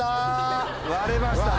割れましたね。